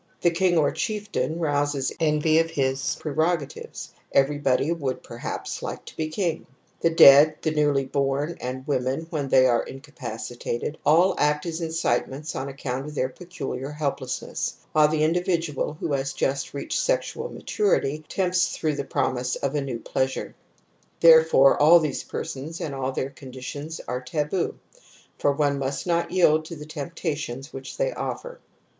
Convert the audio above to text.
The king or chieftain rouses envy of his pre rogatives ; everybody would perhaps like to be king. The dead, the newly bom, and women when they are(incaEadtate3^ all act as incite ments on account oftheir peculiar helpless ness, while the individual who has just reached sexual maturity tempts through the promise of \ c/ 56 TOTEM AND TABOO a new pleasure. Therefore(j.ll these persons and all these conditions are taboo, for one must not yield to the temptations which they offer.